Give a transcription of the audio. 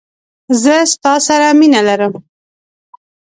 زه ستا سره مينه لرم.